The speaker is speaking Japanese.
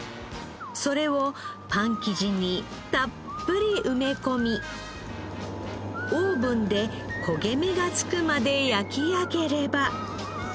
それをパン生地にたっぷり埋め込みオーブンで焦げ目がつくまで焼き上げれば。